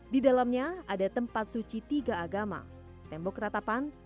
di dalamnya ada tempat suci tiga agama tembok ratapan